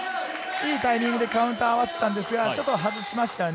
いいタイミングでカウンターを合わせたんですが、ちょっと外しましたね。